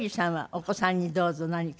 お子さんにどうぞ何か。